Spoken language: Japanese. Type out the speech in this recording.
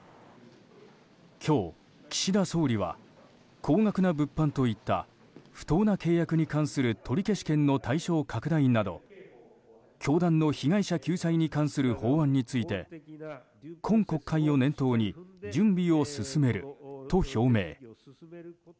今日、岸田総理は高額な物販といった不当な契約に関する取り消し権の対象拡大など教団の被害者救済に関する法案について今国会を念頭に準備を進めると表明。